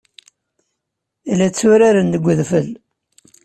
La tturaren deg udfel.